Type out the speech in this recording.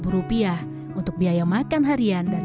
rupiah untuk biaya makan harian dan